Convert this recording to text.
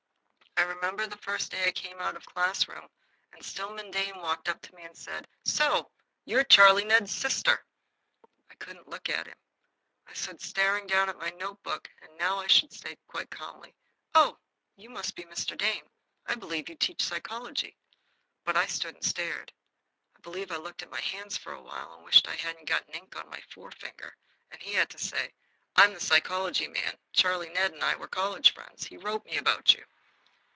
I remember the first day I came out of a class room and Stillman Dane walked up to me and said; "So you're Charlie Ned's sister!" I couldn't look at him. I stood staring down at my note book, and now I should say, quite calmly: "Oh, you must be Mr. Dane? I believe you teach psychology." But I stood and stared. I believe I looked at my hands for a while and wished I hadn't got ink on my forefinger and he had to say: "I'm the psychology man. Charlie Ned and I were college friends. He wrote me about you."